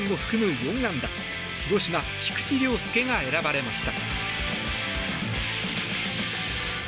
４安打広島、菊池涼介が選ばれました。